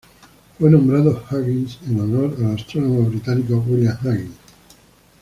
Fue nombrado Huggins en honor al astrónomo británico William Huggins.